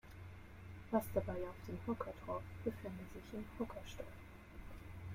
Was dabei auf den Hocker troff befände sich im Hockerstoff.